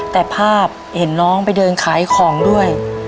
แต่ภาพเห็นน้องไปเดินขายของด้วย